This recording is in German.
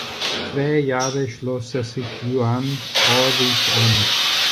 Zwei Jahre schloss er sich Juan Aurich an.